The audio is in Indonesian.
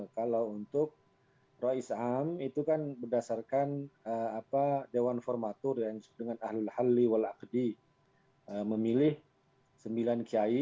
kalau untuk rois am itu kan berdasarkan dewan formatur yang disebut dengan ahlul halli wal akhdi memilih sembilan kiai